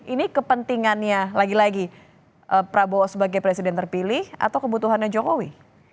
ini kepentingannya lagi lagi prabowo sebagai presiden terpilih atau kebutuhannya jokowi